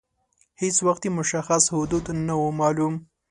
هیڅ وخت یې مشخص حدود نه وه معلوم.